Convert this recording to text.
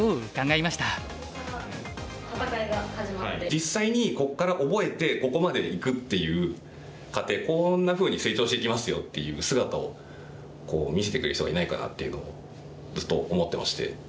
実際にここから覚えてここまでいくっていう過程こんなふうに成長していきますよっていう姿を見せてくれる人がいないかなっていうのをずっと思ってまして。